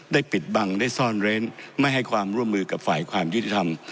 ปิดบังได้ซ่อนเร้นไม่ให้ความร่วมมือกับฝ่ายความยุติธรรม